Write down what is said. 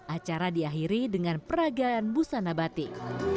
acara diakhiri dengan peragaan busana batik